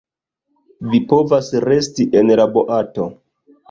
Vi povas resti en la boato.